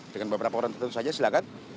dengan beberapa orang tentu saja silakan